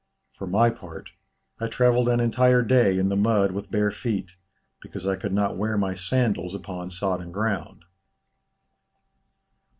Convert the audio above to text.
For my part, I travelled an entire day in the mud with bare feet, because I could not wear my sandals upon sodden ground."